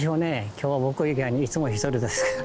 今日僕以外にいつも１人ですから。